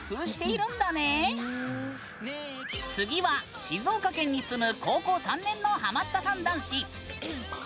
次は静岡県に住む高校３年のハマったさん男子。